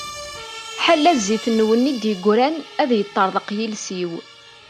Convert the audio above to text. Ḥala zzit-nwen i d-yegran, ad yeṭṭeṛḍeq yiles-iw!